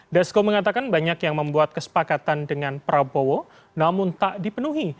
dasko mengatakan banyak yang membuat kesepakatan dengan prabowo namun tak dipenuhi